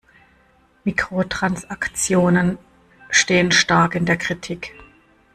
Mikrotransaktionen stehen stark in der Kritik.